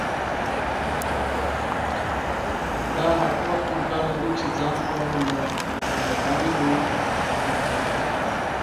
دا هغه وخت امکان لري چې ځان ته له بهر کتنه وکړئ.